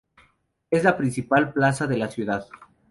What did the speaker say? Es la principal plaza de la ciudad.